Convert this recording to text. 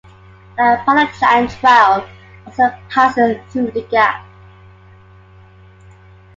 The Appalachian Trail also passes through the gap.